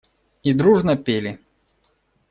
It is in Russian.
И дружно пели.